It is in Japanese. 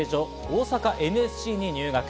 ・大阪ＮＳＣに入学。